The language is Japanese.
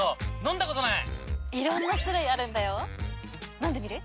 飲んでみる？